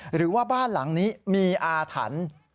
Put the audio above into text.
หรือว่าบ้านหลังนี้มีอาถรรพ์